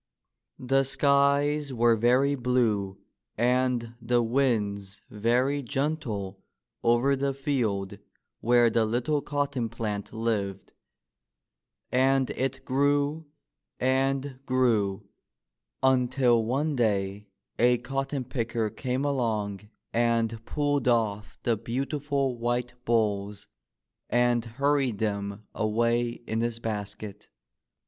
The skies were very blue and the winds very gentle over the field where the little cotton plant lived; and it grew and grew until one day a cotton picker came along and pulled off the beautiful white bolls and hurried them away in his basket.